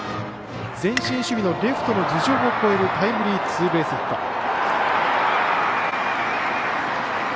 前進守備のレフトの頭上を越えるタイムリーツーベースヒット。